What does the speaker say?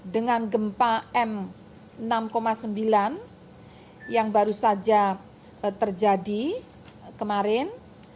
dengan gempa m enam sembilan yang baru saja terjadi kemarin